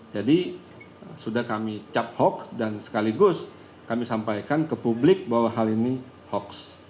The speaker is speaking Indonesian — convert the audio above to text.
jadi sudah kami cap hoax dan sekaligus kami sampaikan ke publik bahwa hal ini hoax